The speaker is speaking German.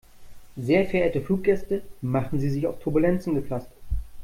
Sehr verehrte Fluggäste, machen Sie sich auf Turbulenzen gefasst.